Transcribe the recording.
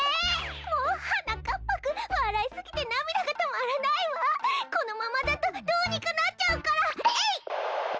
もうはなかっぱくんわらいすぎてなみだがとまらないわこのままだとどうにかなっちゃうからえいっ！